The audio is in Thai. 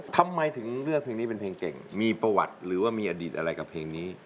ทำไมถึงเลือกเพลงนี้เป็นเพลงเก่งมีประวัติหรือว่ามีอดีตอะไรกับเพลงนี้